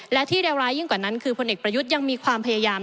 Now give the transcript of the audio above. และที่เลวร้ายยิ่งกว่านั้นคือพลเอกประยุทธ์ยังมีความพยายาม